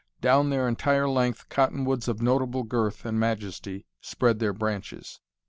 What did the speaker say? Down their entire length cottonwoods of notable girth and majesty spread their branches.